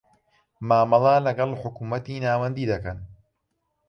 مامەڵە لەکەڵ حکومەتی ناوەندی دەکەن.